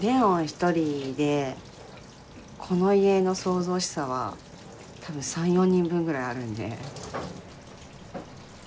一人でこの家の騒々しさは多分３４人分ぐらいあるんで。